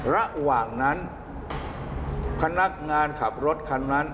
ระหว่างนั้นคณะงานขับรถคณะนั้น